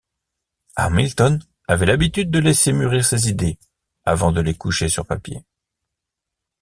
Hamilton avait l'habitude de laisser mûrir ses idées avant de les coucher sur papier.